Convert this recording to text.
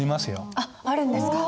あっあるんですか。